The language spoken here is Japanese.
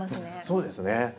そうですね。